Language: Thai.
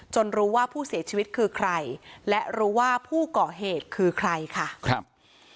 รู้ว่าผู้เสียชีวิตคือใครและรู้ว่าผู้ก่อเหตุคือใครค่ะครับ